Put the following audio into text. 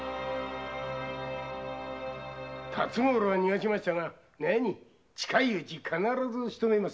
辰五郎は逃がしましたが近いうちに必ずしとめます。